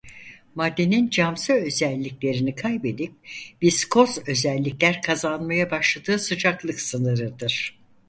Maddenin camsı özelliklerini kaybedip viskoz özellikler kazanmaya başladığı sıcaklık sınırıdır.